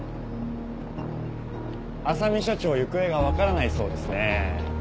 浅海社長行方が分からないそうですねぇ。